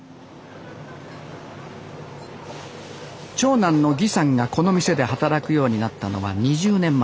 長男の儀さんがこの店で働くようになったのは２０年前。